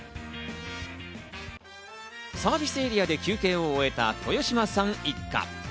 サービスエリアで休憩を終えた豊嶋さん一家。